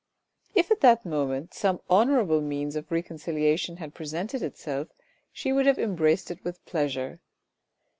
If at that moment some honourable means of reconcilia tion had presented itself, she would have embraced it with pleasure.